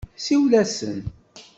Siwel-asen.